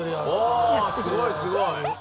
すごいすごい。